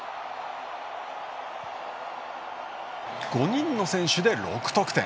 ５人の選手で６得点。